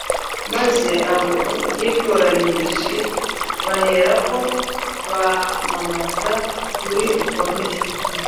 maze abo yitoranyirije baherako bamamaza ukuri gukomeye